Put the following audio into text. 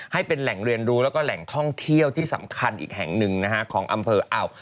ให้เป็นแหล่งเรียนรู้แล้วก็แหล่งท่องเที่ยวที่สำคัญอีกแห่งหนึ่งนะฮะของอำเภออ่าว